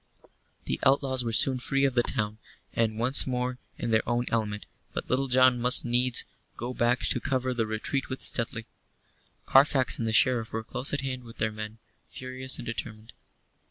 The outlaws were soon free of the town, and once more in their own element, but Little John must needs go back to cover the retreat with Stuteley. Carfax and the Sheriff were close at hand with their men, furious and determined.